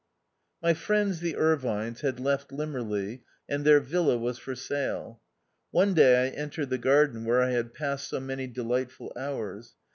My friends, the Irvines, had left Limmer leigh, and their villa was for sale. One day I entered the garden, where I had passed so many delightful hours.